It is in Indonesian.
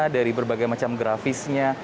dari berbagai macam grafisnya